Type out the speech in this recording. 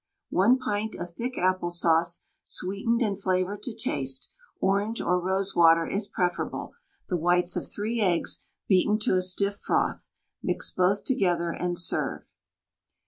1 pint of thick apple sauce, sweetened and flavoured to taste (orange or rosewater is preferable), the whites of 3 eggs, beaten to a stiff froth. Mix both together, and serve.